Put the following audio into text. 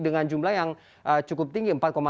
dengan jumlah yang cukup tinggi